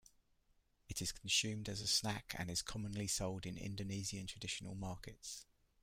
It is consumed as a snack and is commonly sold in Indonesian traditional markets.